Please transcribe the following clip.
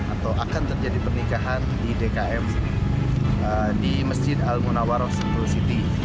atau akan terjadi pernikahan di dkm di masjid al munawarroq sentul siti